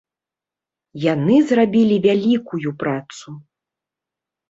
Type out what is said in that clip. Яны зрабілі вялікую працу.